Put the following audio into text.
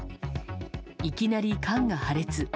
いきなり、缶が破裂。